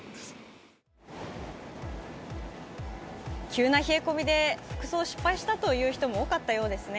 急な冷え込みで服装を失敗したという人も多かったようです。